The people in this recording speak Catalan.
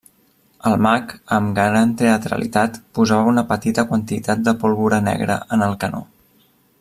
El mag, amb gran teatralitat, posava una petita quantitat de pólvora negra en el canó.